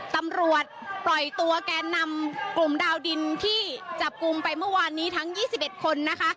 ตำรวจปล่อยตัวแกนนำกลุ่มดาวดินที่จับกลุ่มไปเมื่อวานนี้ทั้ง๒๑คนนะคะ